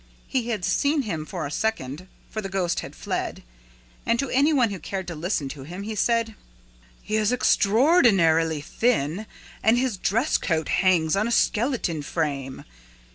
He had seen him for a second for the ghost had fled and to any one who cared to listen to him he said: "He is extraordinarily thin and his dress coat hangs on a skeleton frame.